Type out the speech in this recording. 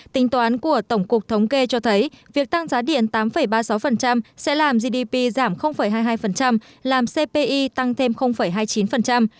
tính toán của tổng cục thống kê cho thấy việc tăng giá điện tám ba mươi sáu sẽ làm gdp giảm hai mươi hai làm cpi tăng thêm hai mươi chín